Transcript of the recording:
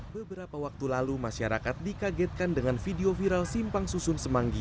beberapa waktu lalu masyarakat dikagetkan dengan video viral simpang susun semanggi